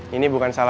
kita harus mencari